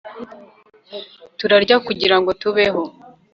turarya kugirango tubeho